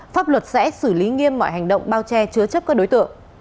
pháp luật sẽ xử lý nghiêm mọi hành động bao che chứa chấp các đối tượng